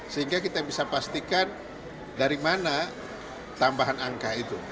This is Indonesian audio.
sehingga kita bisa pastikan dari mana tambahan angka itu